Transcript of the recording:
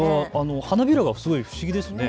花びらがすごい不思議ですね。